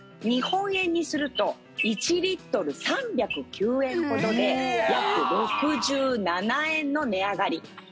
日本円にすると１リットル３０９円ほどで約６７円の値上がり。